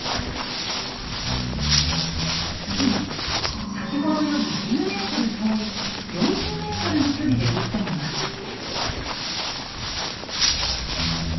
次に先ほどより１０ｍ遠い４０ｍの距離で撃ってみます。